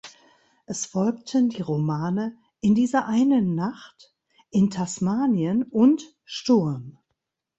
Es folgten die Romane "In dieser einen Nacht", "In Tasmanien" und "Sturm".